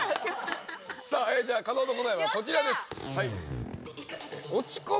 さあじゃあ加納の答えはこちらです。